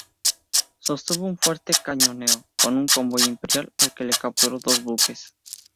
Sostuvo un fuerte cañoneo con un convoy imperial al que le capturó dos buques.